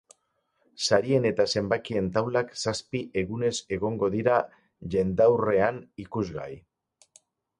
Sarien eta zenbakien taulak zazpi egunez egongo dira jendaurrean ikusgai.